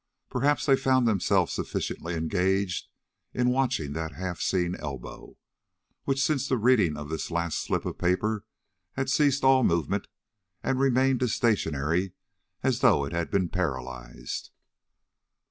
Perhaps they found themselves sufficiently engaged in watching that half seen elbow, which since the reading of this last slip of paper had ceased all movement and remained as stationary as though it had been paralyzed.